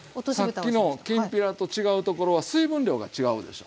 さっきのきんぴらと違うところは水分量が違うでしょ？